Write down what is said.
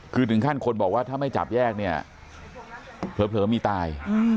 คือถึงขั้นคนบอกว่าถ้าไม่จับแยกเนี่ยเผลอมีตาย